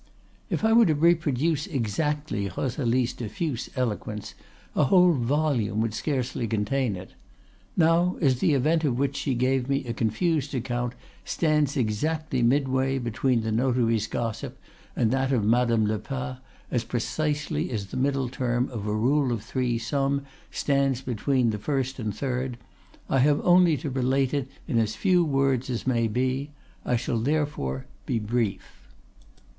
"If I were to reproduce exactly Rosalie's diffuse eloquence, a whole volume would scarcely contain it. Now, as the event of which she gave me a confused account stands exactly midway between the notary's gossip and that of Madame Lepas, as precisely as the middle term of a rule of three sum stands between the first and third, I have only to relate it in as few words as may be. I shall therefore be brief.